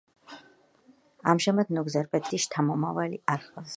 ამჟამად ნუგზარ პეტრეს ძეს მამრობითი სქესის შთამომავალი არ ჰყავს.